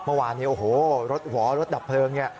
เมื่อวานนี้โอโหรถหวอรถดับเพลิง